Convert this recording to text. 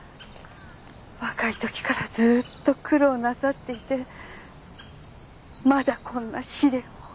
若いときからずっと苦労なさっていてまだこんな試練を。